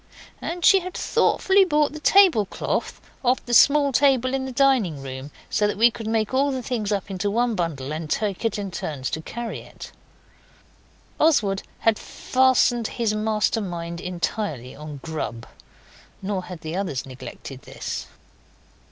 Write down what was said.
And she had thoughtfully brought the tablecloth off the small table in the dining room, so that we could make all the things up into one bundle and take it in turns to carry it. Oswald had fastened his master mind entirely on grub. Nor had the others neglected this.